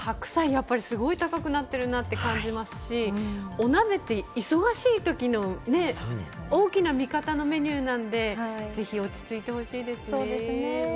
やっぱり高くなっていると感じますし、お鍋って忙しいときに大きな味方のメニューなので、ぜひ落ち着いてほしいですね。